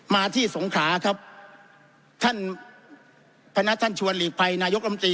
มาที่สงขาครับท่านพนักท่านชวนหลีกภัยนายกรรมตรี